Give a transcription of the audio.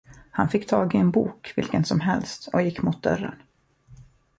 Han fick tag i en bok vilken som helst och gick mot dörren.